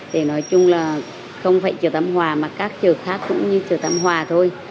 thì nói chung là không phải chợ tam hòa mà các chợ khác cũng như chợ tam hòa thôi